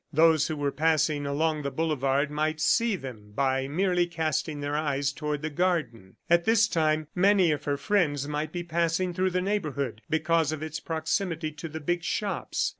Those who were passing along the boulevard might see them by merely casting their eyes toward the garden. At this time, many of her friends might be passing through the neighborhood because of its proximity to the big shops.